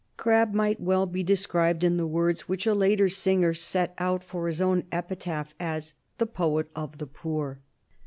Crabbe might well be described in the words which a later singer set out for his own epitaph, as "the poet of the poor."